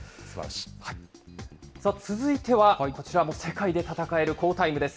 さあ、続いてはこちらも世界で戦える好タイムです。